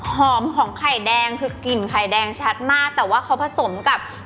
ของไข่แดงคือกลิ่นไข่แดงชัดมากแต่ว่าเขาผสมกับ